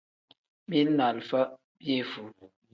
Mili ni alifa ni piyefuu.